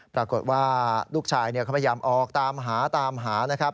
ปรากฏว่าลูกชายเขาพยายามออกตามหาตามหานะครับ